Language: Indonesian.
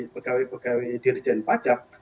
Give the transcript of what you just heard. pegawai pegawai dirjen pajak